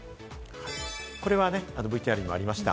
これはＶＴＲにもありました。